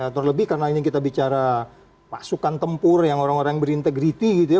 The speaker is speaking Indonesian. terlebih karena ini kita bicara pasukan tempur yang orang orang yang berintegritas gitu ya